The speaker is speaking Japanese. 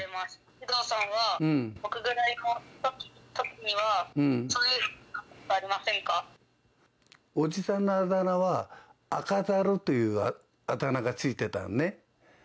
首藤さんは、僕ぐらいのときには、おじさんのあだ名は、赤猿というあだ名が付いてたのね。